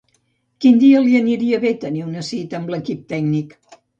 Quin dia li aniria bé tenir una cita amb l'equip tècnic?